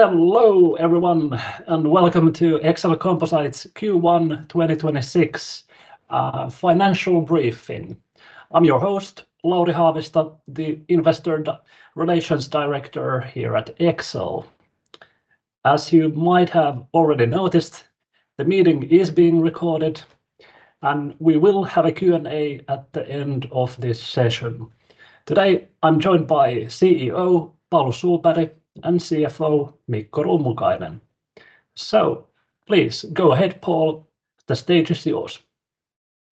Hello, everyone, welcome to Exel Composites Q1 2026 financial briefing. I'm your host, Lauri Haavisto, the Investor Relations Director here at Exel. As you might have already noticed, the meeting is being recorded, and we will have a Q&A at the end of this session. Today, I'm joined by CEO Paul Sohlberg and CFO Mikko Rummukainen. Please go ahead, Paul. The stage is yours.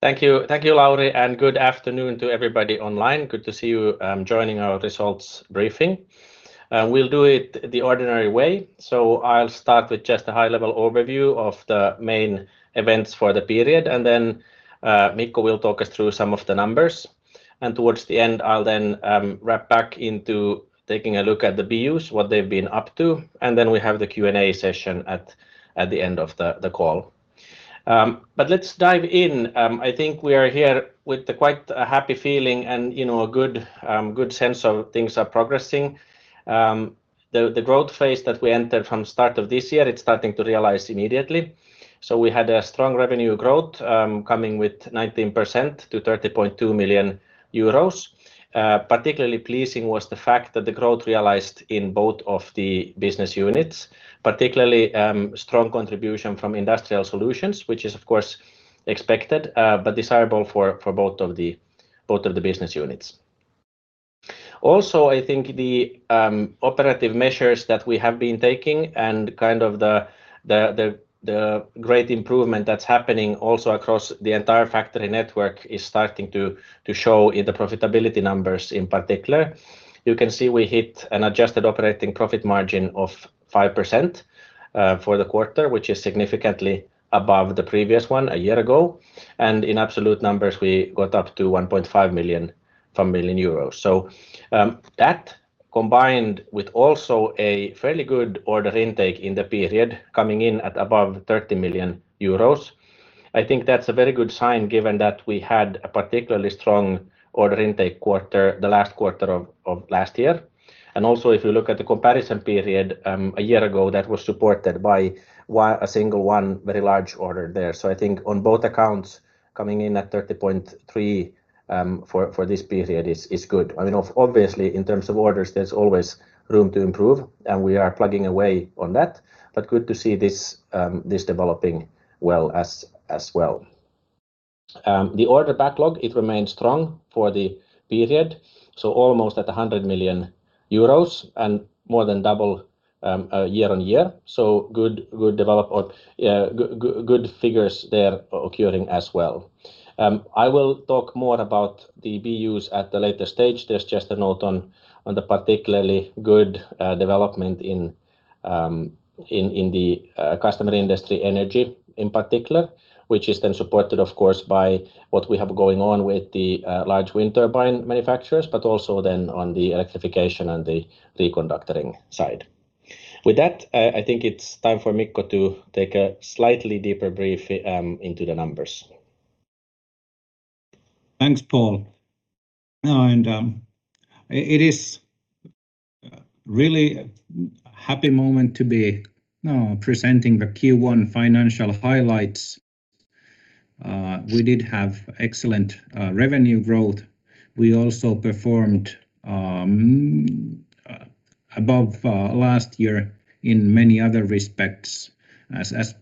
Thank you. Thank you, Lauri, and good afternoon to everybody online. Good to see you joining our results briefing. We'll do it the ordinary way. I'll start with just a high level overview of the main events for the period and then Mikko will talk us through some of the numbers. Towards the end, I'll then wrap back into taking a look at the BUs, what they've been up to, and we have the Q&A session at the end of the call. Let's dive in. I think we are here with a quite a happy feeling and, you know, a good sense of things are progressing. The growth phase that we entered from start of this year, it's starting to realize immediately. We had a strong revenue growth, coming with 19% to 30.2 million euros. Particularly pleasing was the fact that the growth realized in both of the business units, particularly strong contribution from Industrial Solutions, which is, of course, expected, but desirable for both of the business units. Also, I think the operative measures that we have been taking and kind of the great improvement that's happening also across the entire factory network is starting to show in the profitability numbers in particular. You can see we hit an adjusted operating profit margin of 5% for the quarter, which is significantly above the previous one a year ago. In absolute numbers, we got up to 1.5 million euros. That combined with also a fairly good order intake in the period coming in at above 30 million euros, I think that's a very good sign given that we had a particularly strong order intake quarter the last quarter of last year. Also if you look at the comparison period, a year ago, that was supported by a single very large order there. I think on both accounts coming in at 30.3 million for this period is good. I mean, obviously in terms of orders there's always room to improve, and we are plugging away on that, but good to see this developing well as well. The order backlog, it remained strong for the period, almost at 100 million euros and more than double year-on-year. Good figures there occurring as well. I will talk more about the BUs at the later stage. There's just a note on the particularly good development in the customer industry energy in particular, which is supported of course by what we have going on with the large wind turbine manufacturers, but also then on the electrification and the reconductoring side. With that, I think it's time for Mikko to take a slightly deeper brief into the numbers. Thanks, Paul. It is really happy moment to be presenting the Q1 financial highlights. We did have excellent revenue growth. We also performed above last year in many other respects as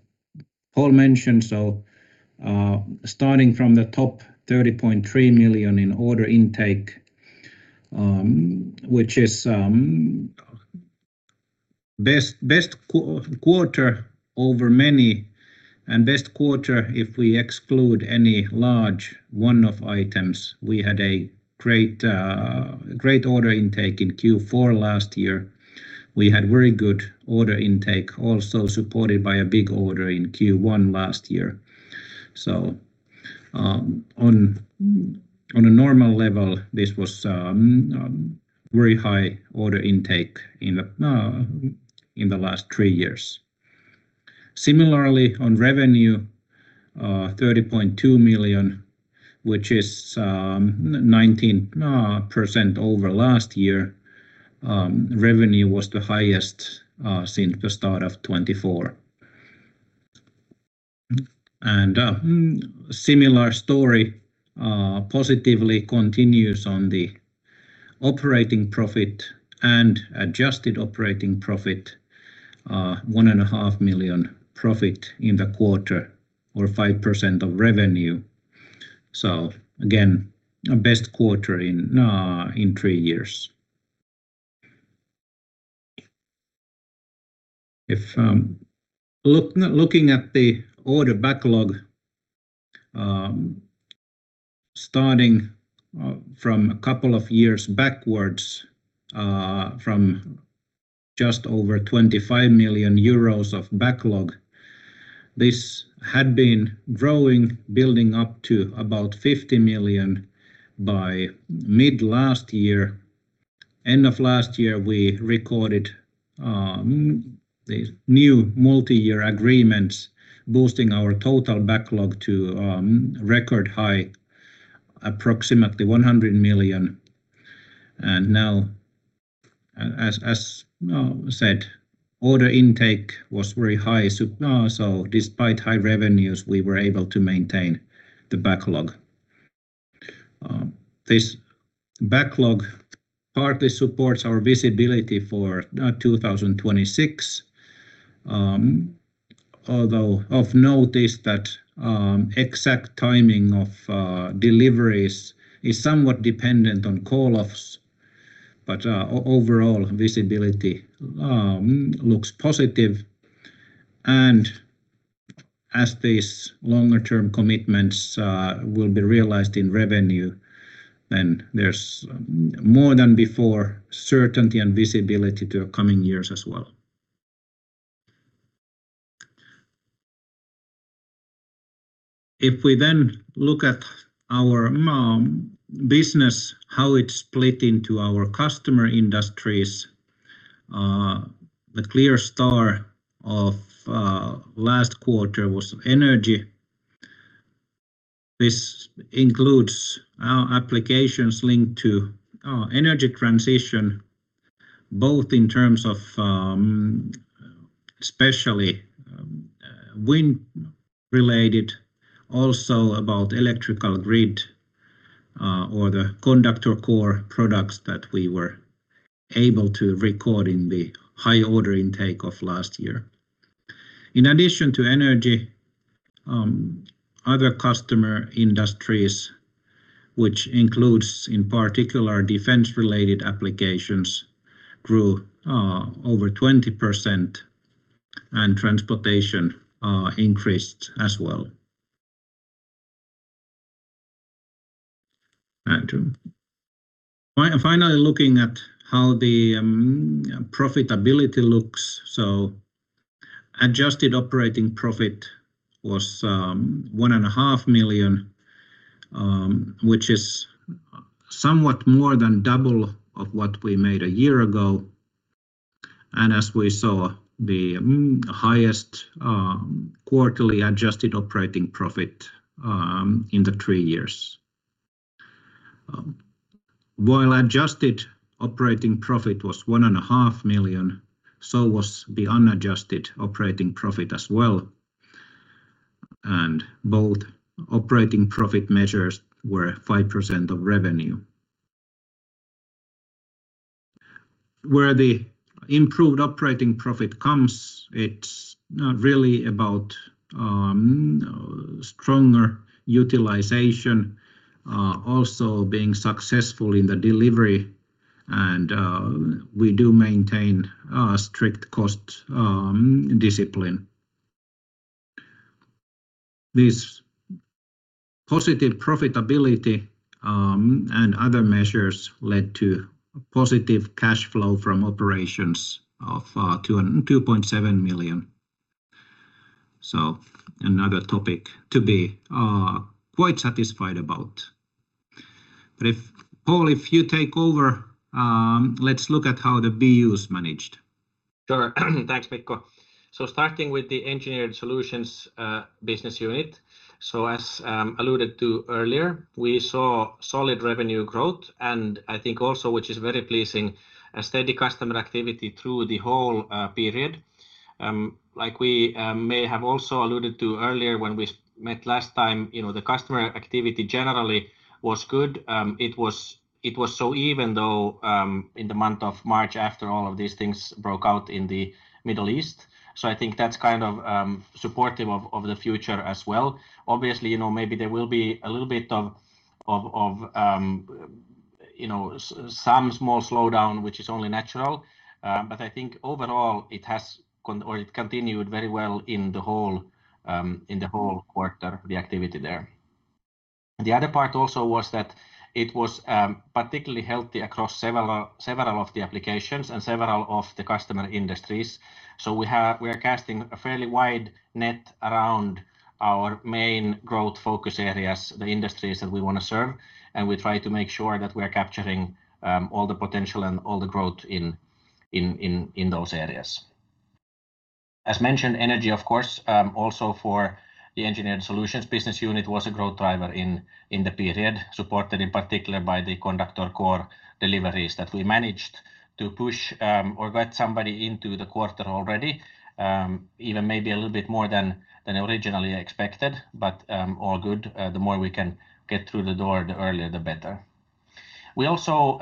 Paul mentioned. Starting from the top, 30.3 million in order intake, which is best quarter over many, and best quarter if we exclude any large one-off items. We had a great order intake in Q4 last year. We had very good order intake also supported by a big order in Q1 last year. On a normal level, this was very high order intake in the last three years. Similarly, on revenue, 30.2 million, which is 19% over last year. Revenue was the highest since the start of 2024. Similar story positively continues on the operating profit and adjusted operating profit, 1.5 million profit in the quarter or 5% of revenue. Again, our best quarter in three years. If looking at the order backlog, starting from a couple of years backwards, from just over 25 million euros of backlog, this had been growing, building up to about 50 million by mid last year. End of last year, we recorded the new multi-year agreements boosting our total backlog to record high, approximately EUR 100 million. Now, as said, order intake was very high, despite high revenues, we were able to maintain the backlog. This backlog partly supports our visibility for 2026. Although of note is that exact timing of deliveries is somewhat dependent on call-offs, but overall visibility looks positive. As these longer-term commitments will be realized in revenue, then there's more than before certainty and visibility to coming years as well. If we then look at our main business, how it's split into our customer industries, the clear star of last quarter was energy. This includes our applications linked to our energy transition, both in terms of especially wind-related, also about electrical grid, or the conductor core products that we were able to record in the high order intake of last year. In addition to energy, other customer industries, which includes in particular defense-related applications, grew over 20%, and transportation increased as well. Finally, looking at how the profitability looks. Adjusted operating profit was 1.5 million, which is somewhat more than double of what we made a year ago. As we saw, the highest quarterly adjusted operating profit in the three years. While adjusted operating profit was 1.5 million, so was the unadjusted operating profit as well. Both operating profit measures were 5% of revenue. Where the improved operating profit comes, it's not really about stronger utilization, also being successful in the delivery. We do maintain strict cost discipline. This positive profitability and other measures led to positive cash flow from operations of 2.7 million. Another topic to be quite satisfied about. If, Paul, if you take over, let's look at how the BU is managed. Sure. Thanks, Mikko. Starting with the Engineered Solutions Business Unit. As alluded to earlier, we saw solid revenue growth, and I think also, which is very pleasing, a steady customer activity through the whole period. Like we may have also alluded to earlier when we met last time, you know, the customer activity generally was good. It was so even though in the month of March, after all of these things broke out in the Middle East. I think that's kind of supportive of the future as well. Obviously, you know, maybe there will be a little bit of, you know, some small slowdown, which is only natural. But I think overall it has or it continued very well in the whole in the whole quarter, the activity there. The other part also was that it was particularly healthy across several of the applications and several of the customer industries. We are casting a fairly wide net around our main growth focus areas, the industries that we wanna serve, and we try to make sure that we're capturing all the potential and all the growth in those areas. As mentioned, energy, of course, also for the Engineered Solutions Business Unit was a growth driver in the period, supported in particular by the conductor core deliveries that we managed to push or get somebody into the quarter already, even maybe a little bit more than originally expected, but all good. The more we can get through the door the earlier, the better. We also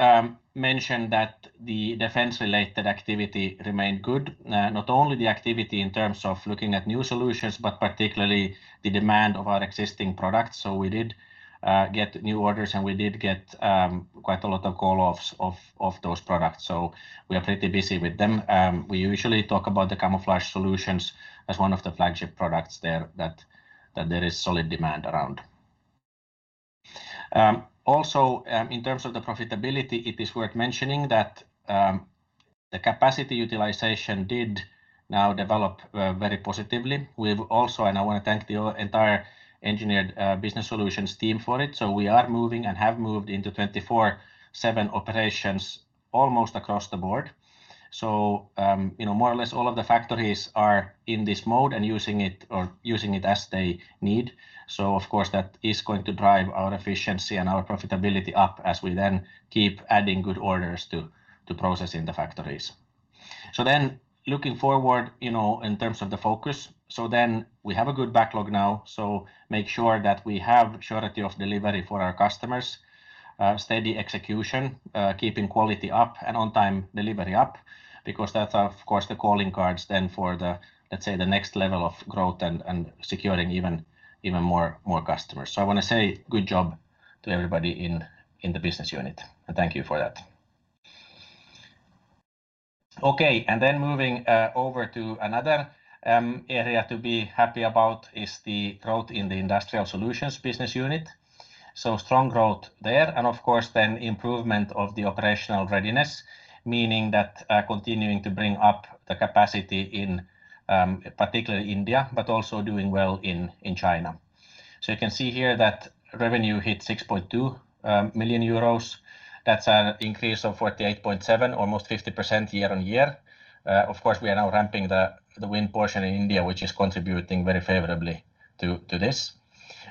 mentioned that the defense-related activity remained good. Not only the activity in terms of looking at new solutions, but particularly the demand of our existing products. We did get new orders, and we did get quite a lot of call-offs of those products. We are pretty busy with them. We usually talk about the camouflage solutions as one of the flagship products there that there is solid demand around. Also, in terms of the profitability, it is worth mentioning that the capacity utilization did now develop very positively. I want to thank the entire Engineered Solutions team for it. We are moving and have moved into 24/7 operations almost across the board. You know, more or less all of the factories are in this mode and using it, or using it as they need. Of course that is going to drive our efficiency and our profitability up as we then keep adding good orders to process in the factories. Looking forward, you know, in terms of the focus, we have a good backlog now, make sure that we have surety of delivery for our customers, steady execution, keeping quality up and on time delivery up because that's of course the calling cards then for the, let's say, the next level of growth and securing even more customers. I wanna say good job to everybody in the business unit, and thank you for that. Okay. Moving over to another area to be happy about is the growth in the Industrial Solutions Business Unit. Strong growth there, and of course then improvement of the operational readiness, meaning that continuing to bring up the capacity in particularly India, but also doing well in China. You can see here that revenue hit 6.2 million euros. That's an increase of 48.7%, almost 50% year-on-year. Of course, we are now ramping the wind portion in India, which is contributing very favorably to this.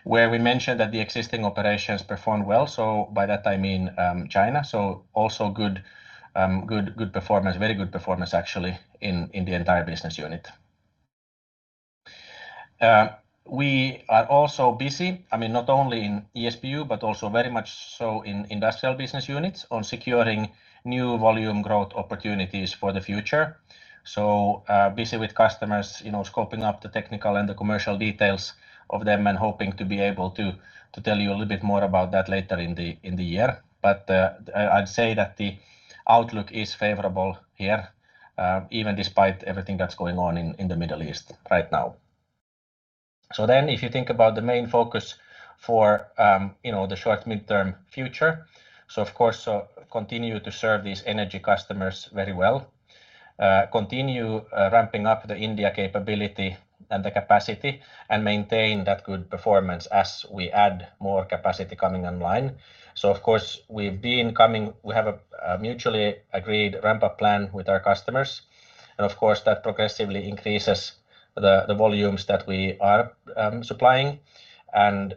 Where we mentioned that the existing operations perform well, by that I mean China, also good performance, very good performance actually in the entire business unit. We are also busy, I mean not only in ESBU, but also very much so in Industrial Solutions business units on securing new volume growth opportunities for the future. Busy with customers, you know, scoping up the technical and the commercial details of them and hoping to be able to tell you a little bit more about that later in the year. I'd say that the outlook is favorable here, even despite everything that's going on in the Middle East right now. If you think about the main focus for, you know, the short midterm future, of course, continue to serve these energy customers very well, continue ramping up the India capability and the capacity and maintain that good performance as we add more capacity coming online. We have a mutually agreed ramp-up plan with our customers, and of course that progressively increases the volumes that we are supplying.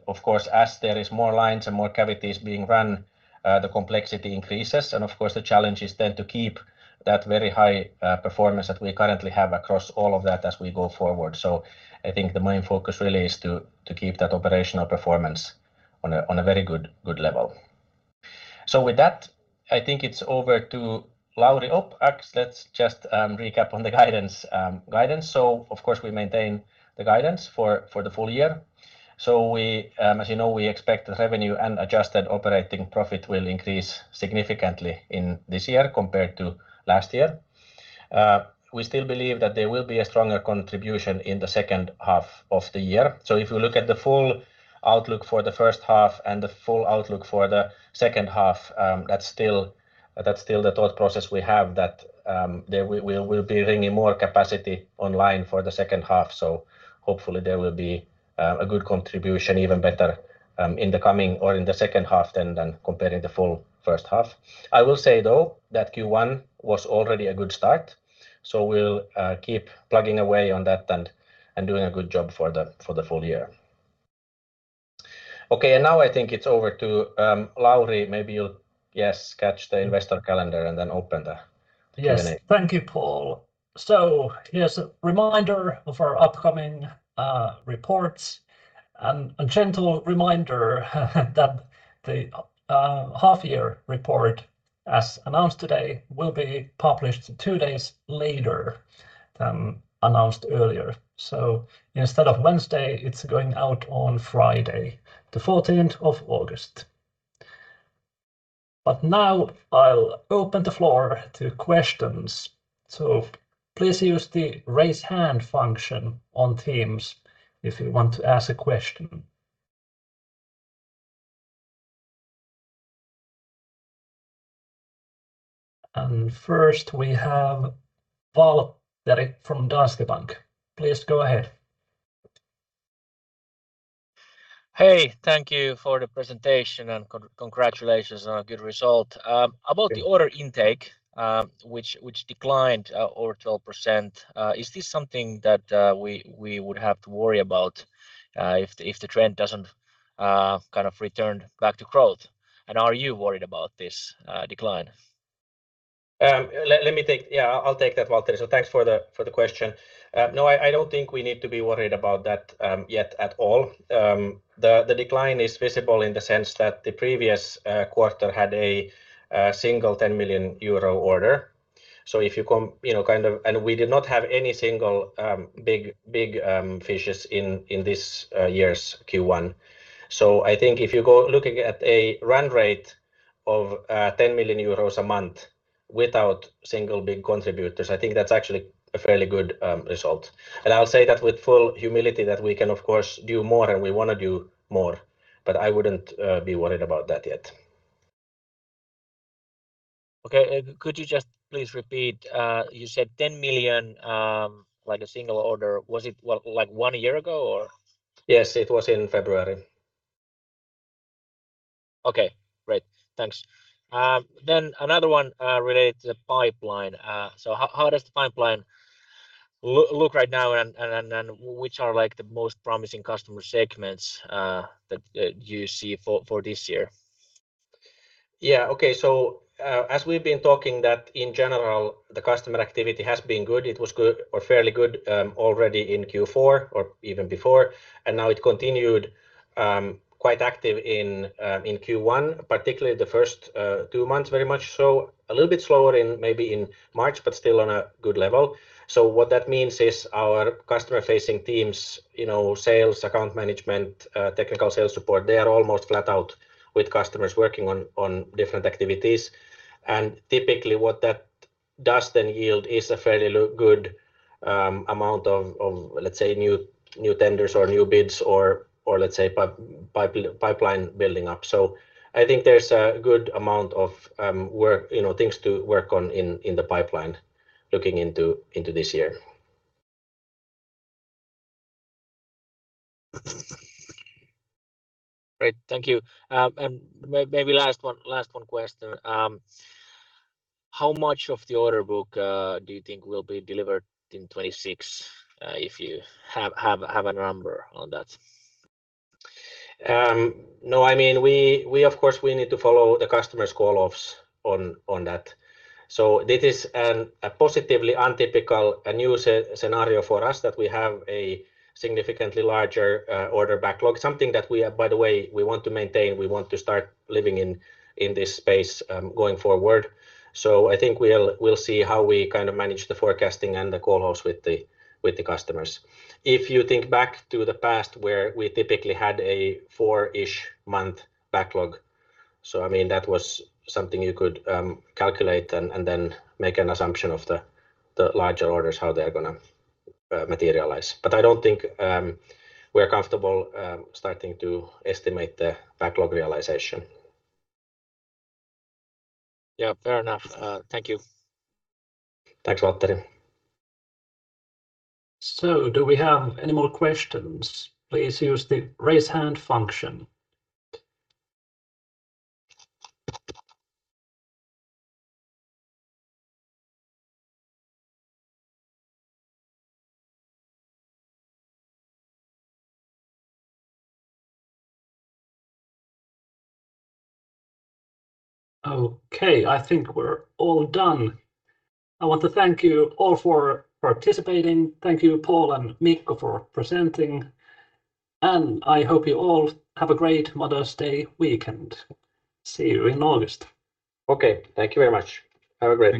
Of course, as there is more lines and more cavities being run, the complexity increases and of course the challenge is then to keep that very high performance that we currently have across all of that as we go forward. I think the main focus really is to keep that operational performance on a very good level. With that, I think it's over to Lauri. Let's just recap on the guidance. Of course we maintain the guidance for the full year. We, as you know, we expect the revenue and adjusted operating profit will increase significantly in this year compared to last year. We still believe that there will be a stronger contribution in the second half of the year. If you look at the full outlook for the first half and the full outlook for the second half, that's still the thought process we have that we'll be bringing more capacity online for the second half. Hopefully there will be a good contribution, even better, in the coming or in the second half than comparing the full first half. I will say though, that Q1 was already a good start, so we'll keep plugging away on that and doing a good job for the full year. Okay. Now I think it's over to Lauri, maybe you'll, yes, catch the investor calendar and then open the Q&A. Yes. Thank you, Paul. Yes, a reminder of our upcoming reports and a gentle reminder that the half year report as announced today will be published two days later than announced earlier. Instead of Wednesday, it's going out on Friday, the 14th of August. Now I'll open the floor to questions. Please use the raise hand function on Teams if you want to ask a question. First we have Waltteri from Danske Bank. Please go ahead. Hey, thank you for the presentation and congratulations on a good result. About the order intake, which declined over 12%, is this something that we would have to worry about if the trend doesn't kind of return back to growth? Are you worried about this decline? Let me take that, Waltteri. Thanks for the question. No, I don't think we need to be worried about that yet at all. The decline is visible in the sense that the previous quarter had a single 10 million euro order. We did not have any single big fishes in this year's Q1. I think if you go looking at a run rate of 10 million euros a month without single big contributors, I think that's actually a fairly good result. I'll say that with full humility that we can of course do more and we wanna do more, but I wouldn't be worried about that yet. Okay. Could you just please repeat, you said 10 million, like a single order. Was it one year ago or? Yes, it was in February. Okay. Great. Thanks. Another one, related to the pipeline. How does the pipeline look right now and which are like the most promising customer segments that you see for this year? Okay. As we've been talking that in general, the customer activity has been good. It was good or fairly good already in Q4 or even before, and now it continued quite active in Q1, particularly the first two months, very much so. A little bit slower in maybe in March, but still on a good level. What that means is our customer-facing teams, you know, sales, account management, technical sales support, they are almost flat out with customers working on different activities. Typically what that does then yield is a fairly good amount of, let's say new tenders or new bids or let's say pipeline building up. I think there's a good amount of work, you know, things to work on in the pipeline looking into this year. Great. Thank you. Maybe last one question. How much of the order book do you think will be delivered in 2026, if you have a number on that? No, I mean, we of course we need to follow the customer's call-offs on that. This is a positively untypical, a new scenario for us that we have a significantly larger order backlog. Something that we, by the way, we want to maintain, we want to start living in this space going forward. I think we'll see how we kind of manage the forecasting and the call-offs with the customers. If you think back to the past where we typically had a four-ish month backlog, I mean that was something you could calculate and then make an assumption of the larger orders, how they're gonna materialize. I don't think we're comfortable starting to estimate the backlog realization. Yeah, fair enough. Thank you. Thanks, Waltteri. Do we have any more questions? Please use the raise hand function. Okay, I think we're all done. I want to thank you all for participating. Thank you, Paul and Mikko, for presenting, and I hope you all have a great Mother's Day weekend. See you in August. Okay. Thank you very much. Have a great day.